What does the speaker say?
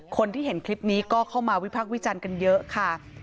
คนที่เห็นคลิปนี้ก็เข้ามาวิภาควิจัยกันเยอะค่ะ